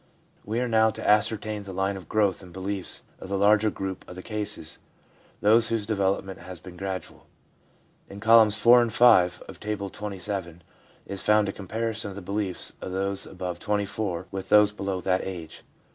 We are now to ascertain the line of growth in beliefs of the other large group of the cases, those whose de velopment has been gradual. In columns four and five of Table XXVII. is found a comparison of the beliefs of those above 24 with those below that age.